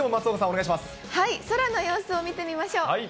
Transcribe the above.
空の様子を見てみましょう。